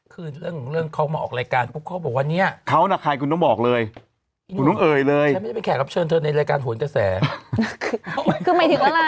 คุณแอร์ไปออกรายการที่บนท้าม